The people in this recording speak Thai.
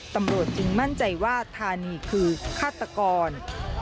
ตำรวจจึงมั่นใจว่าธานีคือฆาตกร